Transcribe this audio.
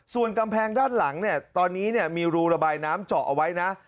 ส่วนกำแพงด้านหลังเนี่ยตอนนี้มีรูระบายน้ำเจาะเอาไว้นะ